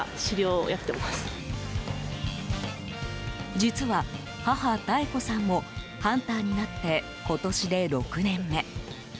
実は、母・妙子さんもハンターになって今年で６年目。